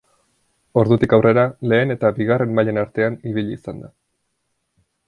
Ordutik aurrera lehen eta bigarren mailen artean ibili izan da.